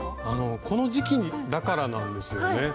あのこの時期だからなんですよね。